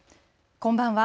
こんばんは。